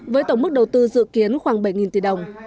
với tổng mức đầu tư dự kiến khoảng bảy tỷ đồng